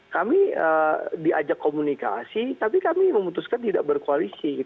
kami diajak komunikasi tapi kami memutuskan tidak berkoalisi